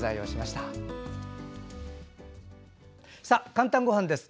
「かんたんごはん」です。